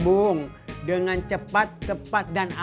udah mau lebaran